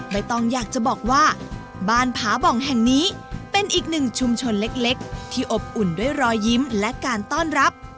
ใบตองอยากจะบอกว่าบ้านผาบ่องแห่งนี้เป็นอีกหนึ่งชุมชนเล็กที่อบอุ่นด้วยรอยยิ้มและการต้อนรับ